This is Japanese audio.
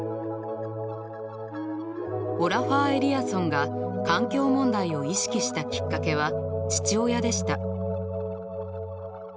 オラファー・エリアソンが環境問題を意識したきっかけは父親でした。